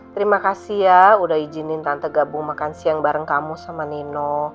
terima kasih ya udah izinin tante gabung makan siang bareng kamu sama nino